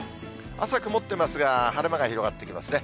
朝、曇ってますが、晴れ間が広がってきますね。